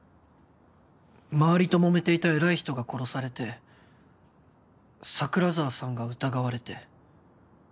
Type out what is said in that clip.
周りともめていた偉い人が殺されて桜沢さんが疑われて。